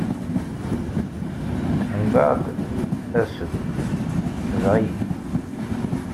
Mbeɛd as-d, tebɛ-iyi.